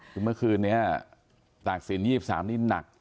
คือเมื่อคืนนี้ตากศิลป๒๓นี่หนัก